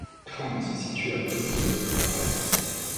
Cramme se situe à l'ouest de l'Oderwald.